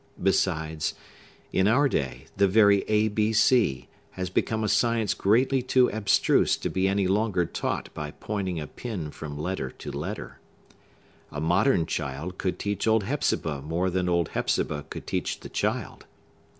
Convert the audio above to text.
Besides, in our day, the very ABC has become a science greatly too abstruse to be any longer taught by pointing a pin from letter to letter. A modern child could teach old Hepzibah more than old Hepzibah could teach the child.